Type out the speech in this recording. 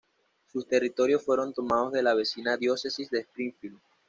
Sus territorios fueron tomados de la vecina Diócesis de Springfield.